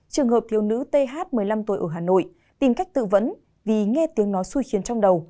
trường hợp thiếu nữ th một mươi năm tuổi ở hà nội tìm cách tự vẫn vì nghe tiếng nói xuyến trong đầu